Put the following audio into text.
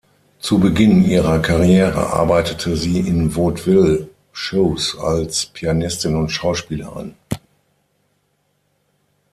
Zu Beginn ihrer Karriere arbeitete sie in Vaudeville Shows als Pianistin und Schauspielerin.